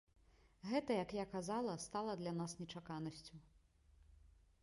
Гэта як я казала, стала для нас нечаканасцю.